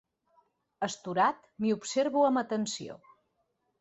Astorat, m'hi observo amb atenció.